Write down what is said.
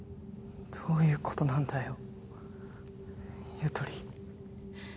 どういう事なんだよゆとり。